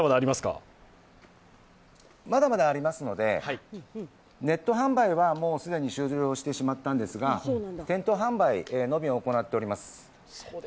まだまだありますので、ネット販売は既に終了してしまったんですが、店頭販売のみ行っております。